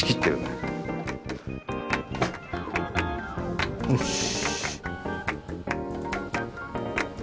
よし。